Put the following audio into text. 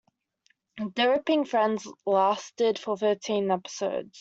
"The Ripping Friends" lasted for thirteen episodes.